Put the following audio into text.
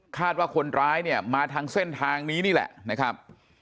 ว่าคนร้ายเนี่ยมาทางเส้นทางนี้นี่แหละนะครับ